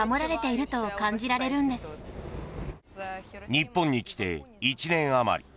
日本に来て１年余り。